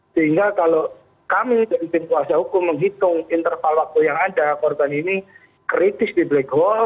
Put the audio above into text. sehingga kalau kami berintim kuasa hukum menghitung interval waktu yang ada korban ini kritis di black hole